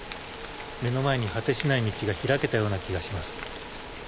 目の前に果てしない道が開けたような気がします。